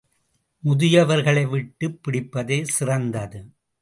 முதியவர்களை விட்டுப் பிடிப்பதே சிறந்தது.